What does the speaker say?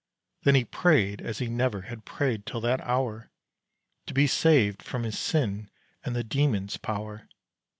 Then he prayed as he never had prayed till that hour To be saved from his sin and the demon's power.